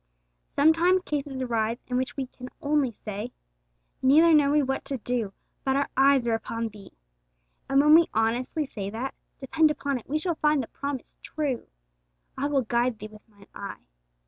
Sometimes cases arise in which we can only say, 'Neither know we what to do, but our eyes are upon Thee.' And when we honestly say that, depend upon it we shall find the promise true, 'I will guide thee with Mine eye.'